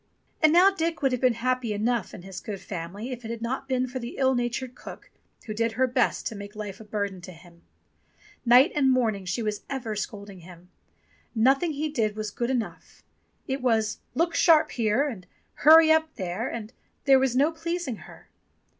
And now Dick would have been happy enough in this good family if it had not been for the ill natured cook, who did her best to make life a burden to him. Night and morn ing she was for ever scolding him. Nothing he did was good enough. It was "Look sharp here" and "Hurry up there," and there was no pleasing her.